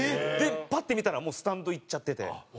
パッて見たらもうスタンド行っちゃってて。